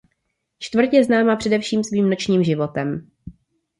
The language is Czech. Čtvrť je známá především svým nočním životem.